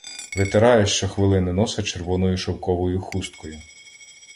Витирає щохвилини носа червоною шовковою хусткою.